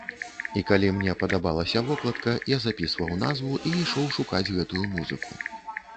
І калі мне падабалася вокладка, я запісваў назву і ішоў шукаць гэтую музыку.